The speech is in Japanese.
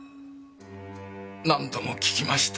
何度も聞きました。